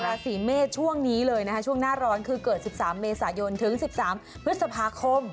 ราศีเมษช่วงนี้เลยนะคะช่วงหน้าร้อนคือเกิด๑๓เมษายนถึง๑๓พฤษภาคม